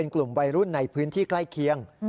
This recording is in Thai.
กลุ่มวัยรุ่นในพื้นที่ใกล้เคียง